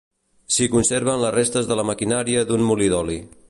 S'hi conserven les restes de la maquinària d'un molí d'oli.